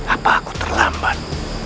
apa aku terlambat